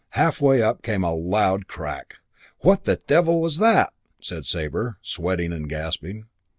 Halfway up came a loud crack. "What the devil's that?" said Sabre, sweating and gasping.